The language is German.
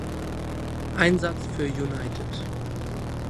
Einsatz für United.